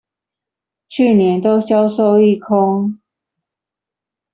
去年都銷售一空